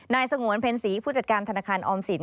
สงวนเพ็ญศรีผู้จัดการธนาคารออมสิน